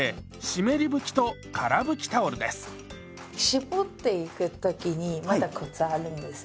絞っていく時にまたコツあるんですよ。